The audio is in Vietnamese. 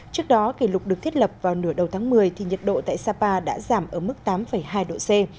trước đó kỷ lục được thiết lập vào nửa đầu tháng một mươi thì nhiệt độ tại sapa đã giảm ở mức tám hai độ c